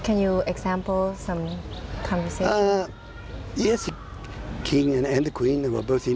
คราวพลังแทนสำ์ศพกับบันที่ซักครอบครัวก็ได้